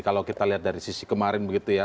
kalau kita lihat dari sisi kemarin begitu ya